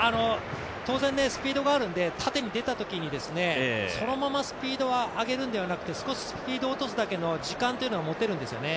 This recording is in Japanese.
当然、スピードがあるんで縦に出たときにそのままスピードを上げるんではなくて、スピードを落とすだけの時間というのは持てるんですよね。